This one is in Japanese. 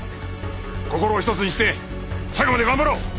心を一つにして最後まで頑張ろう。